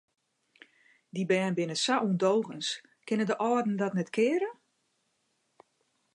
Dy bern binne sa ûndogens, kinne de âlden dat net keare?